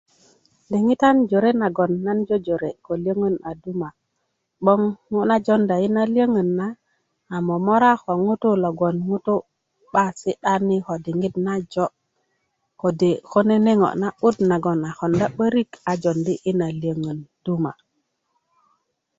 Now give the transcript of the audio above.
diŋitan jore nagon nan jojore' ko lyöŋön a duma 'boŋ ŋo' na jonda yina lyöŋön na a momora ko ŋutuu logon ŋutu' 'ba momora ko diŋit najo' kode' ko nene' ŋo' na'but nagoŋ a kpnda 'börik a joondi yina lyöŋön